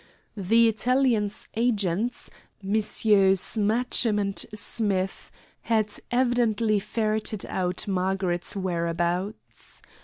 The Italian's agents, Messrs. Matchem & Smith, had evidently ferreted out Margaret's whereabouts.